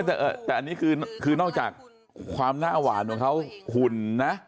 แต่อันนี้คือนอกจากความหน้าหวานของเขาหุ่นนะ